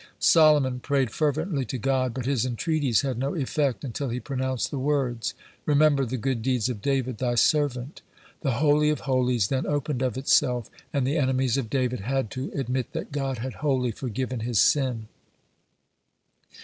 Solomon prayed fervently to God, but his entreaties had no effect until he pronounced the words: "Remember the good deeds of David thy servant." The Holy of Holies then opened of itself, and the enemies of David had to admit that God had wholly forgiven his sin.